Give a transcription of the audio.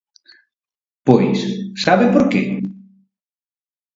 Pois ¿sabe por que?